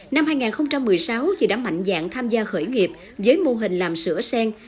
năm hai nghìn một mươi sáu chị đã mạnh dạng tham gia khởi nghiệp với mô hình làm sữa sen